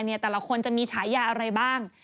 แต่ละคนจะมีฉายาอะไรบ้าง